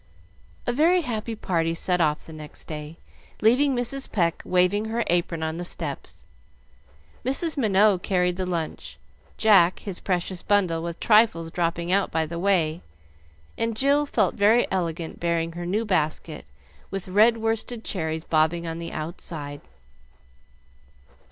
A very happy party set off the next day, leaving Mrs. Pecq waving her apron on the steps. Mrs. Minot carried the lunch, Jack his precious bundle with trifles dropping out by the way, and Jill felt very elegant bearing her new basket with red worsted cherries bobbing on the outside.